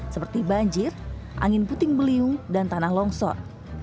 seperti banjir angin puting beliung dan tanah longsor